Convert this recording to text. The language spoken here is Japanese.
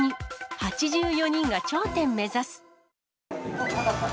８４人が頂点目指す。